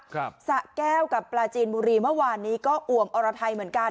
สะแก้วกับปลาจีนบุรีเมื่อวานนี้ก็อ่วมอรไทยเหมือนกัน